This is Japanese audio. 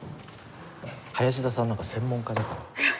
林田さんなんか専門家だから。